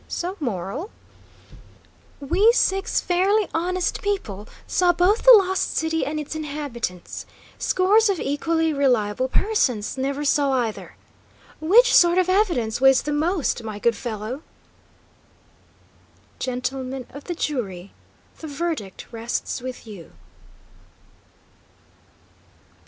So moral: "We six fairly honest people saw both the Lost City and its inhabitants. Scores of equally reliable persons never saw either. Which sort of evidence weighs the most, my good fellow?" Gentlemen of the jury, the verdict rests with you!